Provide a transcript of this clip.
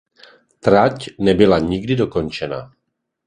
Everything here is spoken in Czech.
Trať nebyla nikdy dokončena.